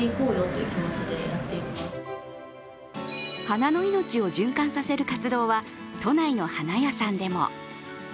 花の命を循環させる活動は都内の花屋さんでも。